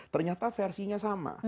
ternyata versinya sama